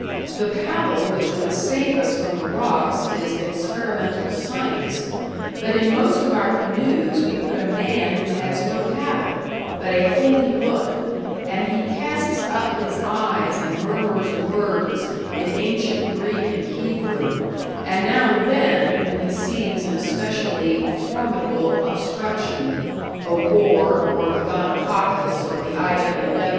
The paddle which would save us from the rocks is experimental science; but in most of our canoes we put a man who has no paddle, but a Holy Book; and he casts up his eyes and murmurs words in ancient Greek and Hebrew, and now and then, when he sees an especially formidable obstruction a war, or the gonococcus, or the I.W.W.